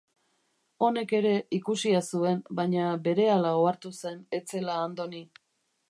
Honek ere ikusia zuen, baina berehala ohartu zen ez zela Andoni.